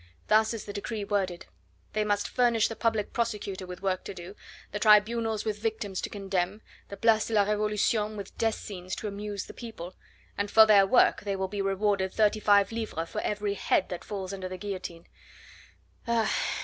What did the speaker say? Thus is the decree worded; they must furnish the Public Prosecutor with work to do, the tribunals with victims to condemn, the Place de la Revolution with death scenes to amuse the people, and for their work they will be rewarded thirty five livres for every head that falls under the guillotine Ah!